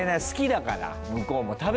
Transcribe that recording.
好きだから向こうも。